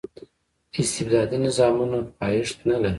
استبدادي نظامونه پایښت نه لري.